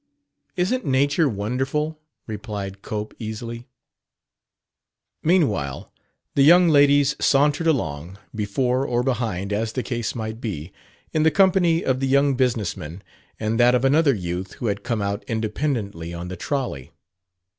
"Isn't Nature wonderful," replied Cope easily. Meanwhile the young ladies sauntered along before or behind, as the case might be in the company of the young business man and that of another youth who had come out independently on the trolley.